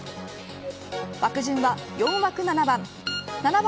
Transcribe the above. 枠順は４枠７番。